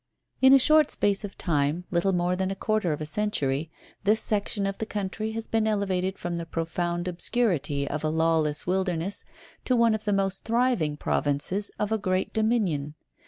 In a short space of time, little more than a quarter of a century, this section of the country has been elevated from the profound obscurity of a lawless wilderness to one of the most thriving provinces of a great dominion.